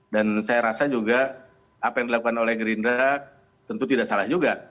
dan saya rasa juga apa yang dilakukan oleh gerindra tentu tidak salah juga